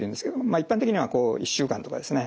一般的には１週間とかですね